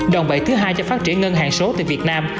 đòn bậy thứ hai cho phát triển ngân hàng số tại việt nam